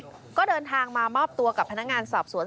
ปรากฏอยู่ในคลิปก็เดินทางมามอบตัวกับพนักงานสอบสวน